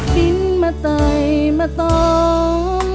บินมาไตมาตอม